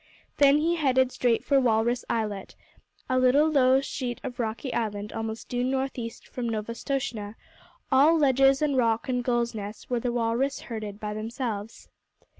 Then he headed straight for Walrus Islet, a little low sheet of rocky island almost due northeast from Novastoshnah, all ledges and rock and gulls' nests, where the walrus herded by themselves.